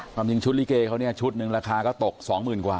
ความจริงชุดลิเกเขาเนี่ยชุดหนึ่งราคาก็ตก๒๐๐๐กว่า